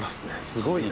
すごいな。